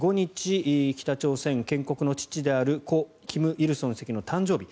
北朝鮮建国の父である故・金日成主席の誕生日